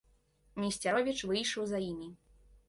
Несцяровіч выйшаў за імі.